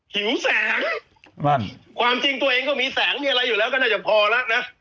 หิวแสงความจริงตัวเองก็มีแสงมีอะไรอยู่แล้วก็น่าจะพอแล้วนะ